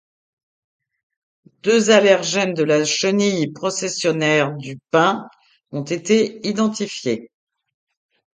Deux allergènes de chenille processionnaire du pin ont été identifiés.